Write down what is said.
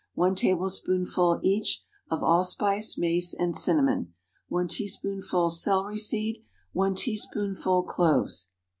1 tablespoonful (each) of allspice, mace, and cinnamon. 1 teaspoonful celery seed. 1 teaspoonful cloves.